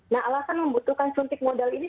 nah alasan membutuhkan suntik modal ini